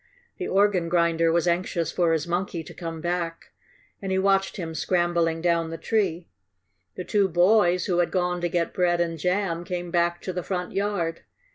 The organ grinder was anxious for his monkey to come back, and he watched him scrambling down the tree. The two boys, who had gone to get bread and jam, came back to the front yard.